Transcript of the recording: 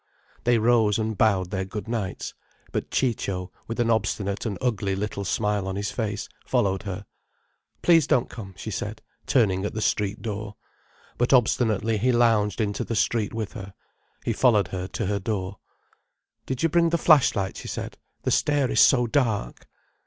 They rose and bowed their good nights. But Ciccio, with an obstinate and ugly little smile on his face, followed her. "Please don't come," she said, turning at the street door. But obstinately he lounged into the street with her. He followed her to her door. "Did you bring the flash light?" she said. "The stair is so dark."